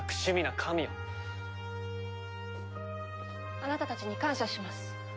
あなたたちに感謝します。